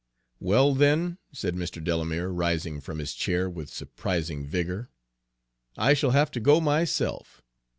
"Well, then," said Mr. Delamere, rising from his chair with surprising vigor, "I shall have to go myself.